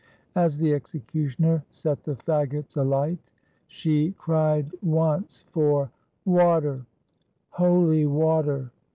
As the executioner set the fagots alight, she cried once for "Water, holy water!"